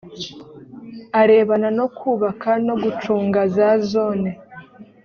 arebana no kubaka no gucunga za zone.